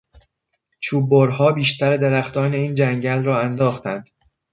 چوب برها بیشتر درختان این جنگل را انداختند.